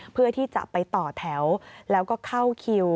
เพื่อที่จะไปต่อแถวแล้วก็เข้าคิว